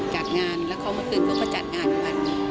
จัดงานแล้วเขาเมื่อคืนก็จะจัดงานกัน